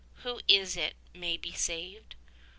Who is it may be saved?